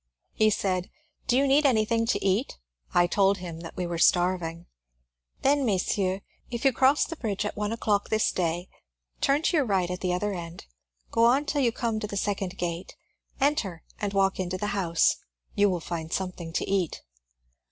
He said, ^' Do you need anything to eat ?" I told him that we were starving. ^^ Then, messieurs, if you cross the bridge at one o'clock this day, turn to your right at the other end, go on till you come to the second gate, enter and walk to the house, you will find something to eat."